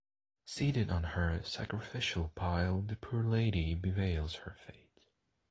Seated on her sacrificial pile, the poor lady bewails her fate.